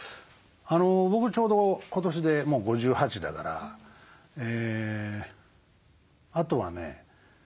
僕ちょうど今年でもう５８だからあとはね